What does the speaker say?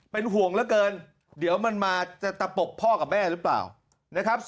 เป็นห่วงเหลือเกินเดี๋ยวมันมาจะตะปบพ่อกับแม่หรือเปล่านะครับ